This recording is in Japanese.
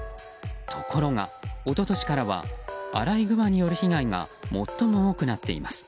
ところが、一昨年からはアライグマによる被害が最も多くなっています。